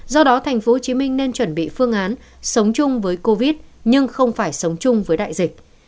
do đó tp hcm nên chuẩn bị phương án sống chung với covid nhưng không phải sống chung với đại dịch